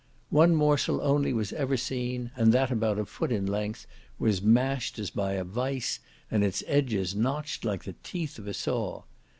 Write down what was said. One morsel only was ever seen, and that about a foot in length, was mashed as by a vice, and its edges notched like the teeth of a saw.